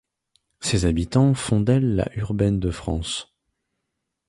Ses habitants font d'elle la urbaine de France.